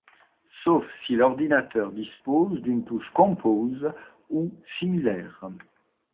Sauf si l'ordinateur dispose d'une touche Compose ou similaire.